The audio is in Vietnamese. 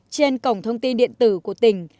trên cổng thông tin điện tử của tỉnh